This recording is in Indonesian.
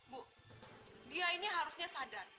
bu dia ini harusnya sadar